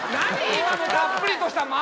今のたっぷりとした間！